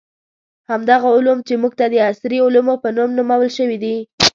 همدغه علوم چې موږ ته د عصري علومو په نوم نومول شوي دي.